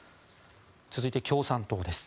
続いて共産党です。